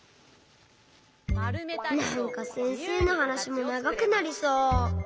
こころのこえなんかせんせいのはなしもながくなりそう。